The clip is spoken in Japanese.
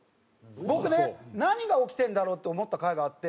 僕ね何が起きてるんだろう？って思った回があって。